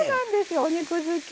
お肉好き！